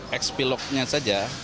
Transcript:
dokter eks piloknya saja